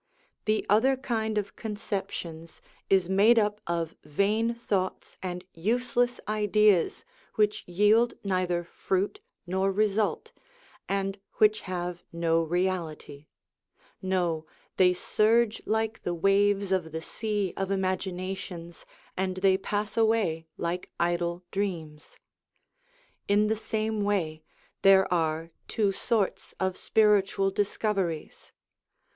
The other kind of conceptions is made up of vain thoughts and useless ideas which yield neither fruit nor result, and which have no reality ; no, they surge like the waves of the sea of imaginations, and they pass away like idle dreams. In the same way, there are two sorts of spiritual discoveries.